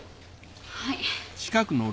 はい。